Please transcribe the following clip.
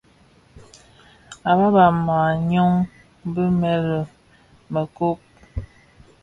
À bab a màa nyɔng bi mëli mɛ kob.